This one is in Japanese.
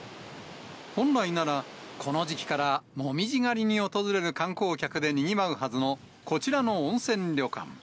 本来なら、この時期から紅葉狩りに訪れる観光客でにぎわうはずのこちらの温泉旅館。